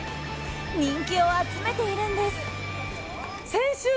人気を集めているんです。